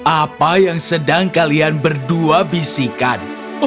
apa yang sedang kalian berdua bisikan